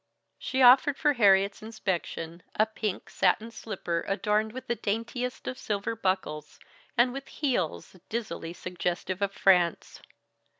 She offered for Harriet's inspection a pink satin slipper adorned with the daintiest of silver buckles, and with heels dizzily suggestive of France.